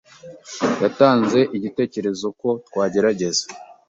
yatanze igitekerezo ko twagerageza.